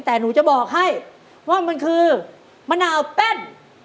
แต่หนูจะบอกให้ว่ามันคือมะนาวแป้น